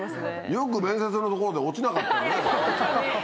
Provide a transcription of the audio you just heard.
よく面接のところで落ちなか